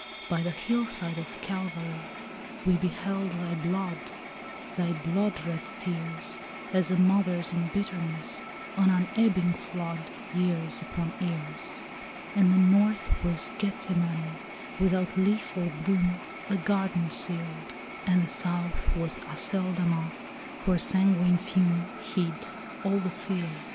By the hillside of Calvary we beheld thy blood, Thy bloodred tears, As a mother's in bitterness, an unebbing flood, Years upon years. And the north was Gethsemane, without leaf or bloom, A garden sealed; And the south was Aceldama, for a sanguine fume Hid all the field.